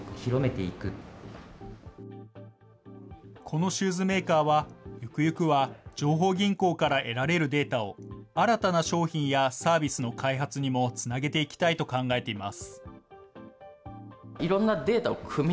このシューズメーカーは、ゆくゆくは、情報銀行から得られるデータを新たな商品やサービスの開発にもつなげていきたいと考えています。